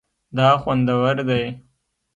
دا خوندور دی